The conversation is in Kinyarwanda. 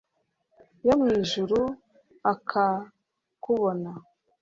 yo mwijuru akakubona